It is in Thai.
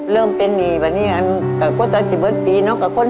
เริ่มเป็นมีปะเนี่ย